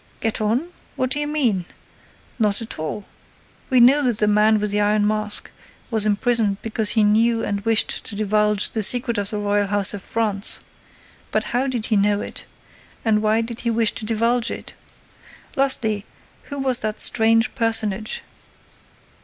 "Get on? What do you mean? Not at all! We know that the Man with the Iron Mask was imprisoned because he knew and wished to divulge the secret of the Royal house of France. But how did he know it? And why did he wish to divulge it? Lastly, who was that strange personage?